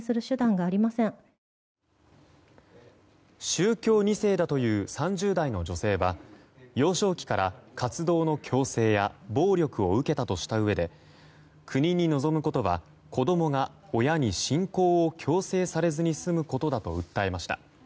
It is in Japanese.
宗教２世だという３０代の女性は幼少期から活動の強制や暴力を受けたとしたうえで国に望むことは子供が親に信仰を強制されずに済むことだと訴えました。